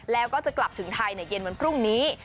แล้วก็จะกลับถึงไทยเย็นวันพรุ่งนี้